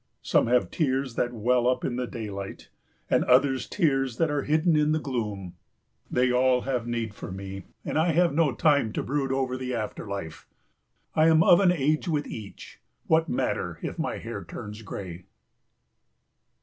"Some have tears that well up in the daylight, and others tears that are hidden in the gloom. They all have need for me, and I have no time to brood over the afterlife. "I am of an age with each, what matter if my hair turns grey?"